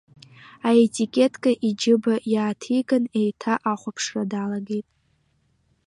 Аетикетка иџьыба иааҭиган, еиҭа ахәаԥшра далагеит.